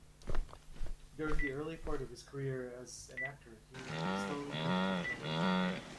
During the early part of his career as an actor he slowly gained popularity.